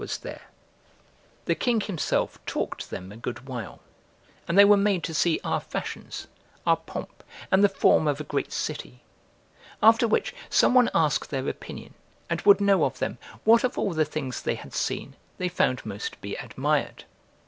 was there. The king himself talked to them a good while, and they were made to see our fashions, our pomp, and the form of a great city. After which, some one asked their opinion, and would know of them, what of all the things they had seen, they found most to be admired?